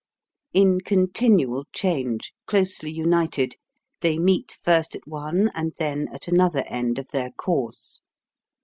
In continual change, closely united, they meet first at one and then at an other end of their course.